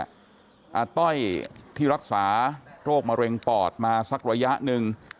อาต้อยที่รักษาโรคมะเร็งปอดมาสักระยะหนึ่ง